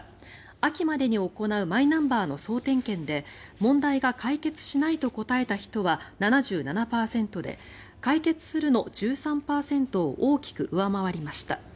秋までに行うマイナンバーの総点検で問題が解決しないと答えた人は７７％で解決するの１３％を大きく上回りました。